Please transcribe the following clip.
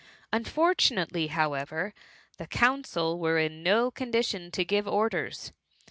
Unfortunately, however, the Council were in no condition to give orders.